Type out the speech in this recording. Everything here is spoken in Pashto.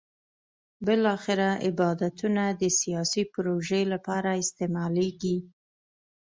بالاخره عبادتونه د سیاسي پروژې لپاره استعمالېږي.